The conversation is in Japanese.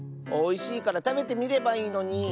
おいしいからたべてみればいいのに。